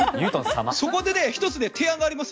そこで１つ、提案があります。